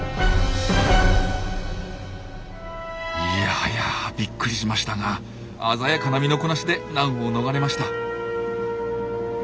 いやはやびっくりしましたが鮮やかな身のこなしで難を逃れました。